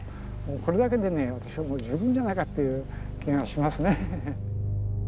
これだけで私はもう十分じゃないかという気がします。